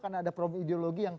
karena ada problem ideologi yang